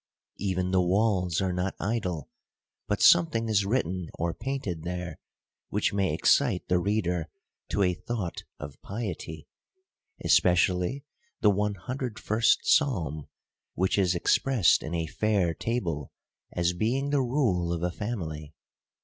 Even the walls are not idle ; but something is written or painted there, which may excite the reader to a thought of piety : especially the 101st Psalm ; which is expressed in a fair table, as being the rule of a family.